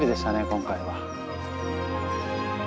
今回は。